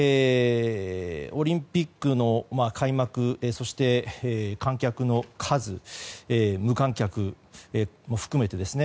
オリンピックの開幕そして、観客の数無観客も含めてですね。